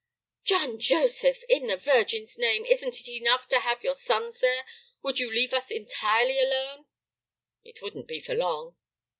"John Joseph! In the Virgin's name! Isn't it enough to have your sons there? Would you leave us entirely alone?" "It wouldn't be for long."